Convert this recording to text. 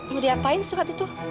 mau diapain surat itu